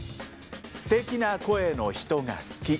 「すてきな声の人が好き」。